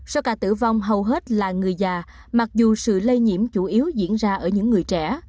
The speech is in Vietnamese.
số ca tử vong hầu hết là người già mặc dù sự lây nhiễm chủ yếu diễn ra ở những người trẻ